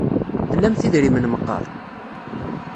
Tlamt idrimen meqqar?